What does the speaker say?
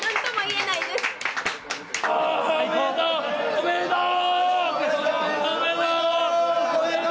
おめでとう。